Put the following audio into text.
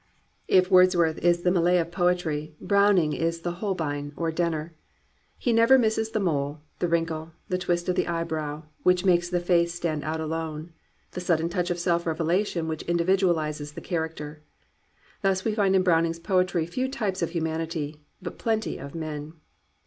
K Wordsworth is the Millet of poetry, Browning is the Holbein or the Denner. He never misses the mole, the wrinkle, the twist of the eyebrow, which makes the face stand out alone, the sudden touch of self revelation which individualizes the character. Thus we find in Browning's poetry few types of humanity, but plenty of men.